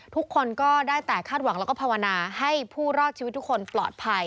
ทุกคนก็ได้แต่คาดหวังแล้วก็ภาวนาให้ผู้รอดชีวิตทุกคนปลอดภัย